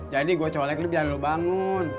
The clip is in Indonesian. jadi gua colek lu biar lu bangun